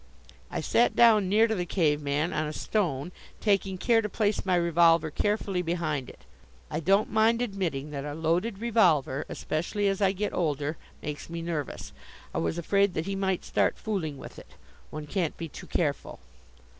I sat down near to the Caveman on a stone, taking care to place my revolver carefully behind it. I don't mind admitting that a loaded revolver, especially as I get older, makes me nervous. I was afraid that he might start fooling with it. One can't be too careful.